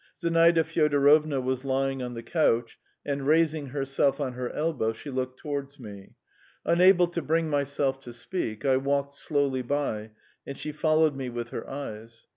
Zinaida Fyodorovna was lying on the couch, and raising herself on her elbow, she looked towards me. Unable to bring myself to speak, I walked slowly by, and she followed me with her eyes.